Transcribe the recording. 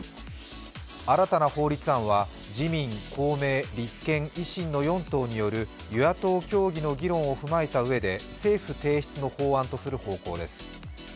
新たな法律案は、自民、公明、立憲、維新の４党による与野党協議の議論を踏まえたうえで政府提出の法案とする方向です。